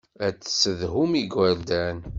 Ad tessedhum igerdan.